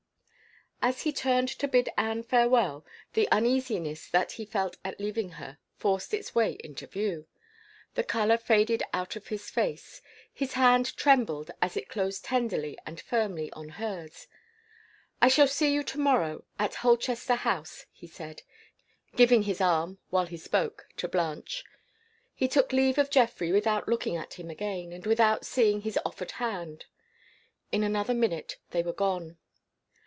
As he turned to bid Anne farewell, the uneasiness that he felt at leaving her forced its way to view. The color faded out of his face. His hand trembled as it closed tenderly and firmly on hers. "I shall see you to morrow, at Holchester House," he said; giving his arm while he spoke to Blanche. He took leave of Geoffrey, without looking at him again, and without seeing his offered hand. In another minute they were gone.